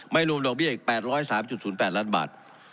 รวมดอกเบี้ยอีก๘๐๓๐๘ล้านบาท